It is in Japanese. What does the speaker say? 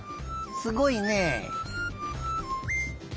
すごいね。